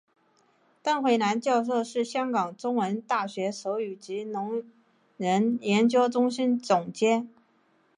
邓慧兰教授是香港中文大学手语及聋人研究中心总监。